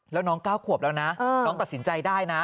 แล้วน้อง๙ขวบแล้วนะน้องตัดสินใจได้นะ